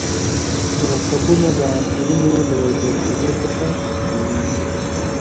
مرکبونه د عنصرونو له یو ځای کېدو څخه جوړیږي.